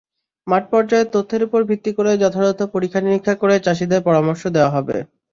মাঠপর্যায়ের তথ্যের ওপর ভিত্তি করে যথাযথ পরীক্ষা-নিরীক্ষা করে চাষিদের পরামর্শ দেওয়া হবে।